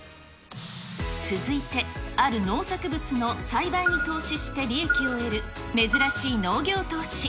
続いて、ある農作物の栽培に投資して利益を得る、珍しい農業投資。